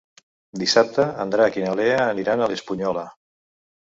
Dissabte en Drac i na Lea aniran a l'Espunyola.